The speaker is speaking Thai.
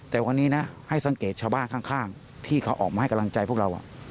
แต่วันนี้นะให้สังเกตชาวบ้านข้างที่เขาออกมาให้กำลังใจพวกเรา